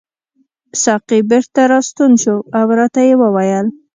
ساقي بیرته راستون شو او راته یې وویل.